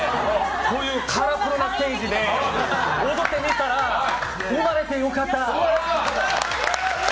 こういうカラフルなステージで踊ってみたら生まれて良かった！